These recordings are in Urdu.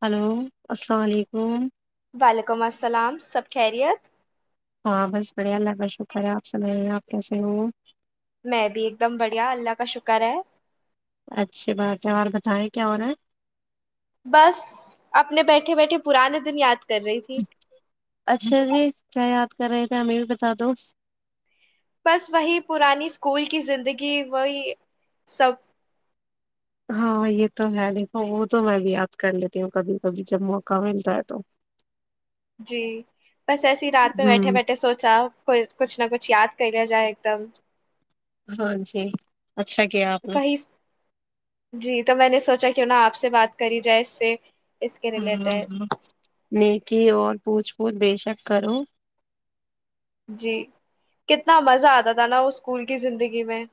[unintelligible] وعلیکم السلام سب خیریت ہاں بس بڑھیا اللہ بہت شکر ہے آپ سن رہے ہیں آپ کیسے ہو میں بھی ایک دم بڑھیا اللہ کا شکر ہے اچھی بات ہے اور بتائیں کیا ہو رہا ہے بس اپنے بیٹھے بیٹھے پرانے دن یاد کر رہی تھی اچھا جی کیا یاپ کر رہے تھے ہمیں بھی بتا دو بس وہی پرانی اسکول کی زندگی وہی سب ہاں یہ تو ہے دیکھو وہ تو میں بھی یاد کر لیتی ہوں کبھی کبھی جب موقع ملتا ہے تو جی بس ایسے ہی رات پہ بیٹھے ہوں بیٹھے سوچا کو کچھ نہ کچھ یاد کریا جائ ایک دم ہاں جی اچھا کیا آپ نے وہی جی تو میں نے سوچا کیوں نہ آپ سے بات کری جائے اس سے اس کے ہاں ریلیٹڈ ہاں نیکی اور پوچھ پوچھ بیے شک کرو جی کتنا مزہ آتا تھا نا وہ اسکول کی زندگی میں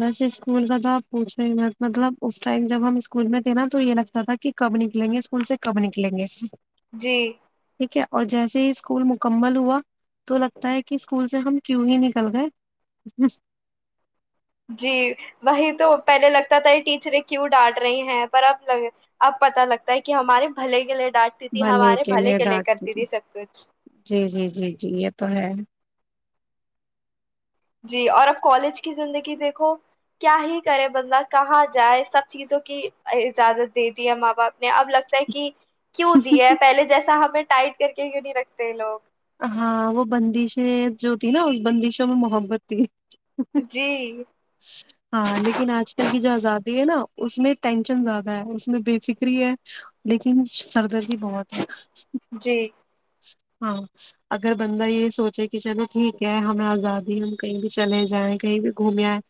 بس اسکول کا تھا آپ پوچھو ہی مطلب اس ٹائم جب ہم اسکول میں تھے نا تو یہ لگتا تھا کہ کب نکلیں گے اسکول سے کب نکلیں گے جی ٹھیک ہے اور جیسے ہی اسکول مکمل ہوا تو لگتا ہے کہ اسکول سے ہم کیوں ہی نکل گئے جی وہی تو پہلے لگتا تھا ٹیچریں کیوں ڈانٹ رہی ہیں پر اب اب پت لگتا ہے کہ ہمارے بھلے گلے میں لے کے لیے ڈانٹتی تھی سب کچھ جی جی جی جی یہ تو ہے جی اور اب کالج کی زندگی دیکھو کیا ہی کرے بندہ کہاں جائے سب چیزوں کی اجازت دےتی ہے ماں باپ نے اب لگتا ہے کہ کیوں دی ہے پہلے جیسا ہمیں ٹائٹ کر کے کیوں نہیں رکھتے لوگ ہاں وہ بندشیں جو تیں نا اس بندشوں میں محبت تھی جی ہاں لیکن آج کل کی جو زدہ ہے نا اس میں ٹینشن زیادہ ہے اس میں بے فکری ہے لیکن سردر بھی بہت ہے جی ہاں اگر بندہ یہ سوچے کہ چلو ٹھیک ہے ہمیں آزادی ہم کہیں بھی چلے جائیں کہیں بھی گھومے آئے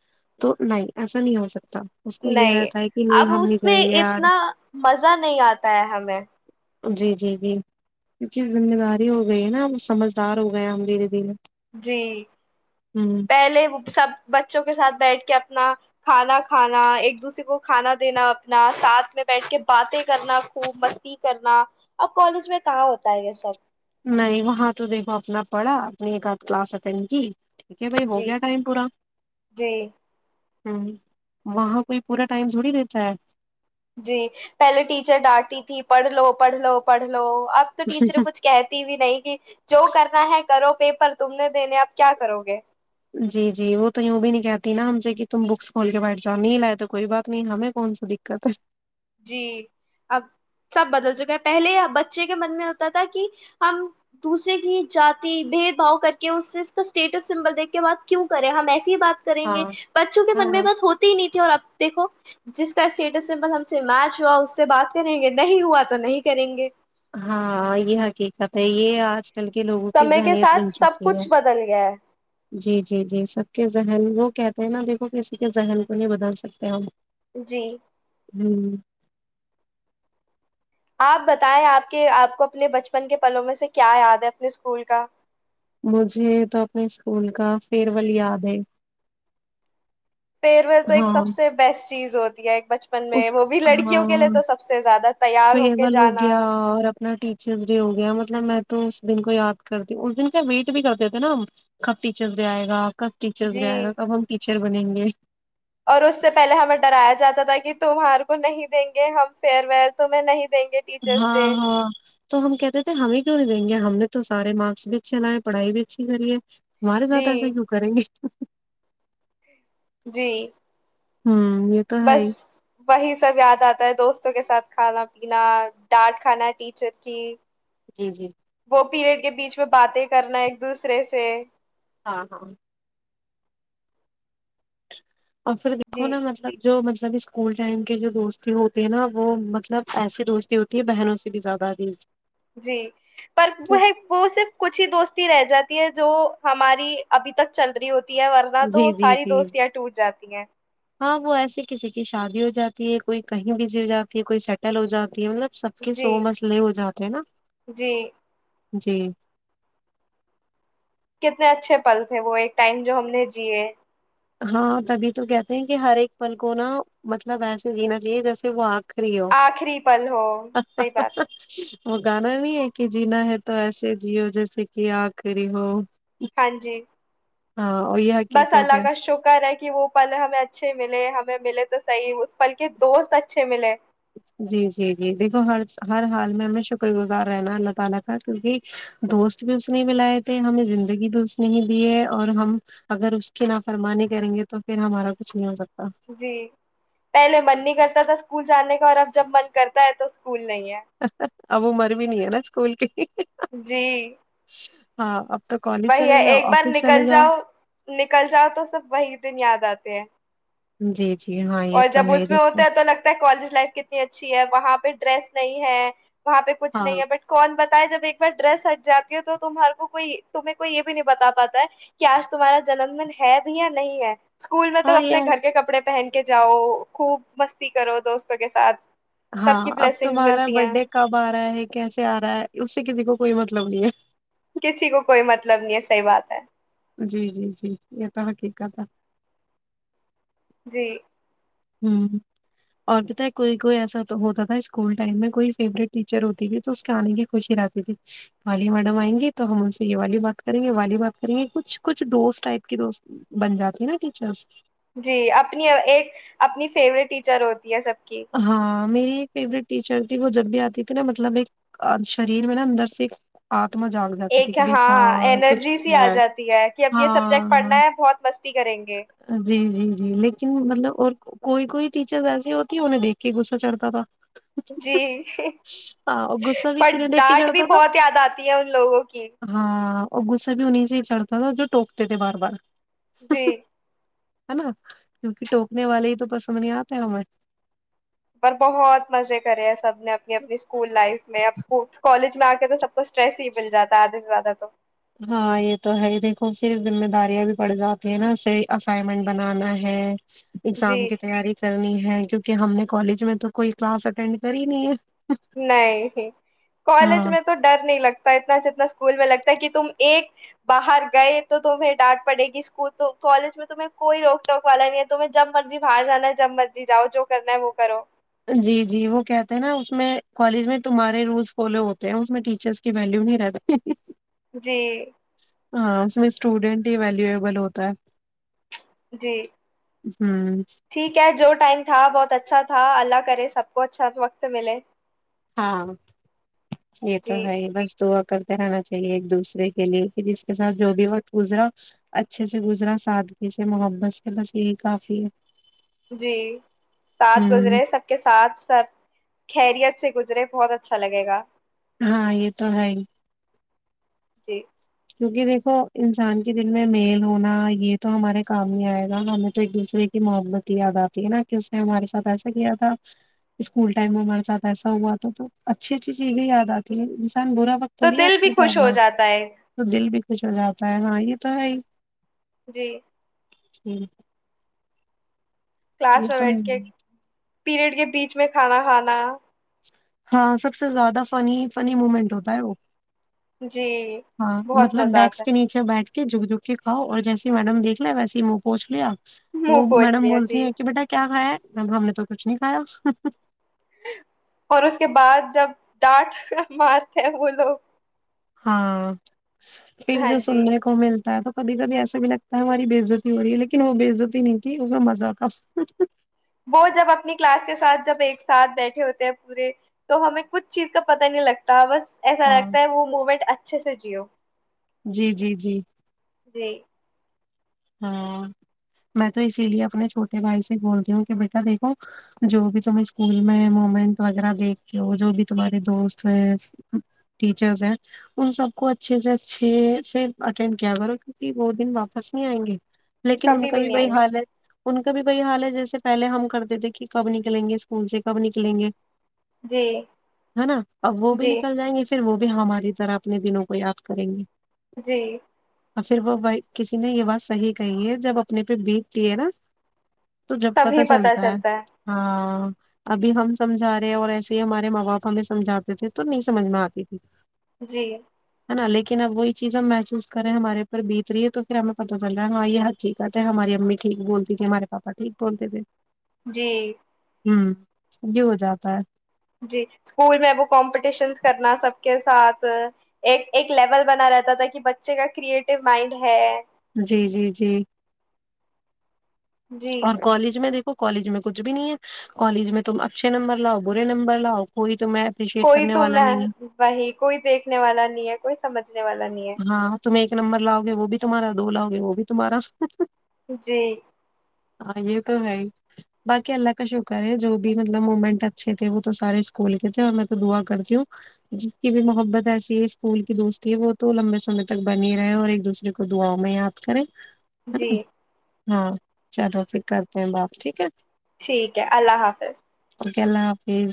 تو نہیں ایسا نہیں ہو سکتا اس کو یہ نہیں رہتا ہے کہ اب نہیں ہم نہیں اس میں جائیں گے یار اتنا مزہ نہیں آتا ہے ہمیں جی جی جی کیونکہ ذمہ داری ہو گئی ہے نا ہم سمجھدار ہو گیا ہم دھیرے دھیرے جی ہوں پہلے وہ سب بچوں کے ساتھ بیٹھ کے اپنا کھانا کھانا ایک دوسرے کو کھانا دینا اپنا ساتھ میں بیٹھ کے باتیں کرنا خوب مستی کرنا اب کالج میں کہاں ہوتا ہے یہ سب نہیں وہاں تو دیکھو اپنا پڑھا اپ نے ایک ہاتدھ کلاس اٹینڈ کی ٹھیک ہے بھائی ہو جی گیا ٹائم پورا جی ہ وہاں کوئی پورا ٹائم چڑی دیتا ہے جی پہلے ٹیچر ڈانٹتی تھی پڑھ لو پڑھ لو پڑھ لو اب تو ٹیچریں کچھ کہتی بھی نہیں کہ جو کرنا ہے کرو پیپر تم نے دینے آپ کیا کرو گے جی جی وہ تو یوں بھی نہیں کہتی نا ہم سے کہ تم بکس کھول کے بیٹھ جاؤ نہیں لائے تو کوئی بات نہیں ہمیں کون سی دقت ہے جی اب سب بدل چکا ہے پہلے بچے کے من میں ہوتا تھا کہ ہم دوسرے کی جات بھید بھؤ کر کے اس سے اس کا اسٹیٹس سمبل دیکھ کے بع کیوں کریں ہم ایسے بات کریں ہاں گے بچوں کے من ہاں میں بات ہوتی ہی نہیں تھی اور آپ دیکھو جس کا اسٹیٹس سے مطلب [unintelligible] سے میچ ہوا اس سے بات کریں گے نہیں ہوا تو نہیں کریں گے ہاں یہ حقیقت ہے یہ آج کل کے لوگوں کی سمے کے ذہنیت بن ساتھ سب چکی ہے کچھ بدل گیا ہے جی جی جی سب کے ذہن وہ کہتے ہیں نا دیکھو کسی کے ذہن کو نہیں بدل سکتے ہم جی ہوں [unintelligible] آپ بتائیں آپ کے آپ کو اپنے بچپن کے پلوں میں سے کیا یاد ہے اپنے اسکول کا مجھے تو اپنے اسکول کا فیئرول یاد ہے فرویل تو ایک ہاں سب سے بیسٹ چیز ہوتی ہے [unintelligible] بچپن میں اس وہ بھی لڑکیوں کے ہاں لیے تو سب سے زیادہ تیار ہو کے جانا ن ٹیچرس ڈے ہو گیا مطلب میں تو اس دن کو یاد کرتیوں اس دن کیا ویٹ بھی کرتے تھے نا کب ٹیچرس ڈے آئے گا آپ کب ٹیچرس ج جی گ کب ہم ٹیچر ر بنیں گے [unintelligible] اور اس سے پہلے ہمیں ڈرایا جاتا تھا کہ تمہار کو نہیں دیں گے ہم فیئر ویل تمہیں نہیں دیں گے ٹیچرس ڈے ہاں ہاں تو ہم کہتے تھے ہمیں کیوں نہیں دیں گے ہم نے تو سارے مارکس بھی اچھے لائے پڑائی بھی اچھی کریے تمہارے جی ساتھ ایسا کیوں کریں گے جی ہاں یہ تو ہے بس ہی وہی سب یاد آتا ہے دوستوں کے ساتھ کھانا پینا ڈانٹ کھانا ٹیچر کی جی جی وہ پیریڈ کے بیچ میں باتیں کرنا ایک دوسرے سے ہاں ہاں اور پھر دیکو جی نا مطلب جو مطلب اسکول ٹائم کے جو دوستی ہوتی ہیں نا وہ مطلب ایسی دوستی ہوتی ہے بہنوں سے بھی زیادہ ادھی جی پر وہ ہے وہ صرف کچھ ہی دوست ہی رہ جاتی ہے جو ہماری ابھی تک چل رہی ہوتی ورنہ تو جی وہ جی ساری جی دوستیاںٹاتی تی ہیں ہاں وہ ایسی کسی کی شادی ہو جاتی ہے کوئی کہیں بزی ہو جاتی ہے کوئی سیٹل ہو جاتی مطلب سب کے جی سو مسئلے ہو جاتے ہیں نا جی جی کتنے اچھے پل تھے وہ ایک ٹائم جو ہم نے جیے ہاں تبھی تو کہتے ہیں کہ ہر ایک پل کو نا مطلب ایسے جینا چاہیے جیسے وہ آگ آخری پل ہو سحی بات ہے وہ گانا نہیں ہے کہ جینا ہے تو ایسے جیو جیسے کہ آ کرری ہو ہاں جی ہاں ای ہے کی کرتے کر رہا ہے کہ وہ پل ہمیں اچھے ملے ہمیں ملے تو صحی اس پل کے دوست اچھے ملے جی جی دیکھو ہر ہر حال میں ہمیشہ کوئی گزار رہنا ہے اللہ تعالی کا کیونکہ دوست بھی اس نے ولائے تھے ہمیں زندگی بھر اس میں ہی دی ہے اور ہم اگر اس کی نافرمانی کریں گے جی پہلے من نہیں کرتا تھا اسکول جانے کا اور اب جب من کرتا ہے تو اسکول نہیں ہے ابو مر بھی نہیں ہے نا اسکول کے ہے جی ہاں اک [unintelligible] [inaudible] وہی ہے ایک بار نکل جاؤ نکل جاؤ تو سب وہی دن یاد آتے ہیں جی جی ہاں یہ اور تو جب ہے ہی اس میں دیکھو ہوتا ہے تو لگتا ہے کالج لائف کتنی اچھی ہے وہاں پہ [unintelligible] وہاں پہ کچھ ہاں نہیں ہے بٹ کون بتا جب ایک بار ڈریس ہٹ جاتی ہو تو تمہارے کو کوئی تمہیں کوئی یہ بھی نہیں بتا پاتا ہے کہ آج تمہارا جنم دن ہے بھی یا نہیں ہے اسکول میں تو ہاں اپنے یار گھر کے کپڑے پہن جاؤ خوب مستی کرو دوستوں کے ساتھ ہاں سب کی اب بلیسنگس تمہارا ملتی ہیں برڈے کب آ رہا ہے کیسے آ رہا ہے اس سے کسی کو کوئی مطلب نہیں ہے کسی کو کوئی مطلب نہیں ہے صحیح بات ہے جی جی جی یہ تو حقیقت ہے جی ہ اور پتا ہے کوئی کوئی ایسا تو ہوتا تھا اسکول ٹائم میں کوئی فیورٹ ٹیچر ہوتی تھی تو اس کے آنے کی خوشی رہتی تھی والی میڈم آئیں گے تو ہم ان سے یہ والی بات کریں گے والی بات کریں گے کچھ کچھ دوست ٹائپ کی دوست بن جاتی ہے نا ٹیچرس جی اپنی ایک اپنی فیورورٹ ٹیچر ہوتی ہے سب کی ہاں میری فیورٹ ٹیچر تھی وہ جب بھی آتی تھی نا مطلب ایک شریر میں نا اندر سے ایک آگ ایک ہاں انرجی سی آ ہے۔ جاتی ہے کہ اب یہ سبجیکٹ ہاں پڑھنا ہے بہت مست جی جی جی لیکن مطلب اور کوئی کوئی ٹیچر ایسی ہوتی انیں دیکھ کے غصہ چڑھتا تھا جی ہاں اور غصہ بھی پر کنہیں دیکھ کے ڈاٹ بھی چڑھتا تھا بہت یاد آتی ہے ان لوگوں کی ہاں اور غصہ بھی ان نہیںیں سے چڑھتا تھا جو ٹوکتے تھے بار بار جی ہے نا کیونکہ ٹوکنے والے ہی تو پسند نہیں آتے ہمیں پر بہت مزے کرے سب اپ اپنی اپنی اسکول لائف میں اب کالج میں آ کے تو سب کو اسٹریس ہی مل جاتا ہے ادھے سے زیادہ تو ہاں یہ تو ہے دیکھو پھر ذمہ داریاں بھی پڑ جاتی ہیں نا اسے اسائنمنٹ بنانا ہے اگزام جی کی تیاری کرنی ہے ہیں کیونکہ ہم نے کالج میں تو کوئی کلاس اٹینڈ کر ہی نہیں ہے نہیں کالج ہاں میں تو ڈر نہیں لگتا اتنا جتنا اسکول میں لگتا کہ تم ایک باہر گئے تو تمہیں ڈانٹ پڑے گی اسکول تو کالج میں تمہیں کوئی روک ٹوک والا نہیں ہے تمہیں جب مرضی باہر جانا ہے جب مرضی جاؤ جو کرنا ہے وہ کرو جی جی وہ کہتے ہیں نا اس میں کالج میں تمہارے رولس فالو ہوتے ہیں اس میں ٹیچرس کی ویلیو نہیں رہتا جی ہاں اس میں اسٹوڈینٹ ہی ویلیوبل ہوتا ہے جی ہوں ٹھیک ہے جو ٹائم تھا بہت اچھا اچھا تھا اللہ کر سب کو اچھا وقت ملے ہاں یہ تو جی ہے بستو کرتے رہنا چاہیے ایک دوسرے کے لیے کہ جس کے ساتھ جو بھی وقت گزرا اچھے سے گزرا سادگی سے محبت سے بس یہی کافی ہے جی ساتھ ہوں گزرے سب کے ساتھ سب خیریت سے گزرے بہت اچھا لگےا ہاں یہ تو ہے ہی جی کیوںکہ دیکھو انسان کے دل میں میل ہونا یہ تو ہمارے کام ہی آئے گا ہمیں تو ایک دوسرے کی محبت یاد آتی ہے نا کہ اس نے ہمارے ساتھ ایسا کیا تھا اسکول ٹائم میں ہمارے ساتھ ایسا ہوا تھا تو اچھی چیز جیز بھی یاد آتی ہے انسان برا وقت تو تھوڑی یاد دل بھی کرتا ہے خوش ہو اپنا جاتا ہے تو دل بھی خوش ہو جاتا ہے ہاں یہ تو ہے ہی جی ہوں یہ کلاس میں تو بیٹھ کے پیریڈ کے بیچ میں کھانا کھانا ہاں سب سے زیادہ فنی فنی مومنٹ ہوتا ہے وہ جی ہاں بہت مطلب مزہ آتا ڈیسک کے نیچے بیٹھ جھک جھک کے کاؤ اور جیسے میڈم دیکھ لے ویسے منہ پوچ لیا ہے وہ منہ پہنچ میڈم لیا بولتی جی ہیں کہ بیٹا کیا کھایا ہے اب ہم نے تو کچھ نہیں کھایا اور اس کے بعد جب ڈانٹ مجتے ہیں وہ لوگ ہاں پھر ہاں جو جی سننے کو ملتا ہے تو کبھی کبھی ایسا بھی لگتا ہے ہماری بےزتی ہو رہی ہے لیکن وہ بے عزتی نہیں تھی اس کا مزہ تھا وہ جب اپنی کلاس کے ساتھ جب ایک ساتھ بیٹھے ہوتے ہیں پورے تو ہمیں کچھ چیز کا پت نہیں لگتا بس ایسا ہاں لگتا ہے وہ موومنٹ اچھے سے سجیو جی جی جی جی ہاں میں تو اسی لیے اپنے چھوٹے بھائی سے بولتی ہوں کہ بیٹا دیکھو جو بھی تم اسکول میں مومنٹ وغیرہ دیکھتے ہو جو بھی تمہارے دوست ہیں ٹیچرس ہیں ان سب کو اچھے سے اچھے سے اٹینڈ کیا کرو کیوںکہ وہ دن واپس نہیں آئیں گے لیکن ان کبھی کا بھی نہیں بائی آئیں گے حالت ان کا بھی بی حال ہے جیسے پہلے ہم کرتے تھے کہ کب نکلیں گے اسکول سے کب نکلیں گے جی ہے نا اب وہ بھی جی نکل جائیں گے پھر وہ بھی ہماری طرح اپنے دنوں کو یاد کریں گے جی اور پھر وہ بائی کسی نہیں یہ بات صح کہی ہے جب اپنے پہ بیتتی ہے نا تو جب پتا چلتا ہے ہاں ابھی ہم سمجھا رہے ہیں اور ایسے ہی ہمارے ماں باپ ہمیں سمجھاتے تھے تو نہیں سمجھ میں آتی تھی جی نا لیکن اب وہی چیز ہم محسوس کرےیں ہمارے اپر بیت رہی ہے تو پھر ہمیں پتا چل رہ ہے ہاں یہ ہقھیک ہے تھے ہماری امیٹھیک بولتی تھی ہمارے پاپا ٹھیک بول تھے جی ہوں یہ ہو جاتا ہے جی اسکول میں اب کمپٹیشنس کرنا سب کے ساتھ ایک ایک لیول بنا رہتا تھا کہ بچے کا کریئٹو مائنڈ ہے جی جی جی جی اور کالج میں دیکھو کالج میں کچ بھی نہیں ہے کالج میں تم اچھے نمبر لاؤ برے نمبر لاؤ کوئی تمہیں اپریشیٹ کوئی کرنے ت والا نہیں وہی کوئی دیکھنے والا نہیں ہے کوئی سمجھ ہاں تم نمبر لاؤے وہ بھی تمہارا دو لاؤ گے وہ بھی تمہارا س جی ہاں یہ تو ہے باقی اللہ کا شکر ہے جو بھی مطلب مومنٹ اچھے تھے وہ تو سارے اسکول کے تھے اور میں تو دعا کرتی ہوں جس کی بھی محبت ایسی ہے اسکول کی دوستی ہے وہ تو لمبے سمے تک بنی ہی رہے اور ایک دوسرے کو داؤں میں یاد کریں ہے جی نا ہاں چلو پھر کرتے ہیں بات ٹھیک ہے ٹھیک ہے اللہ حافظ کے ال حافظ